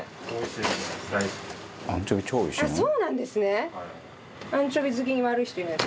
あっそうなんですね！